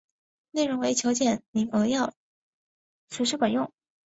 内容力求简明扼要、务实管用